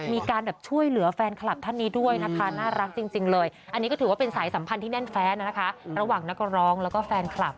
มีการแบบช่วยเหลือแฟนคลับท่านนี้ด้วยนะคะน่ารักจริงเลยอันนี้ก็ถือว่าเป็นสายสัมพันธ์ที่แน่นแฟนนะคะระหว่างนักร้องแล้วก็แฟนคลับ